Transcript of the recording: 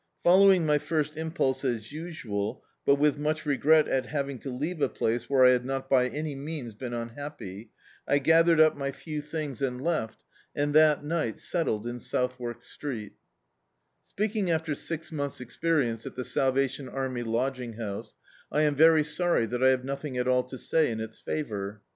Following my first impulse, as usual, but with much regret at having to leave a place where I had not by any means been unhappy, I gathered up my few things ["3] D,i.,.db, Google The Autobiography of a Supcr*Tramp and left, and that ni^t settled in Southwark Street. Speaking after six mtxiths' experience at the Sal vation Army Lodging House, I am very sorry that I have nothing at all to say in its favour.